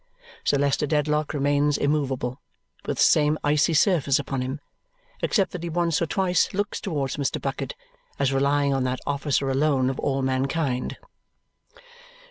Sir Leicester Dedlock remains immovable, with the same icy surface upon him, except that he once or twice looks towards Mr. Bucket, as relying on that officer alone of all mankind.